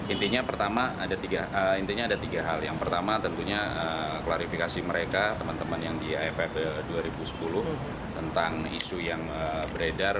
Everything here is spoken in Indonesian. intinya ada tiga hal yang pertama tentunya klarifikasi mereka teman teman yang di iff dua ribu sepuluh tentang isu yang beredar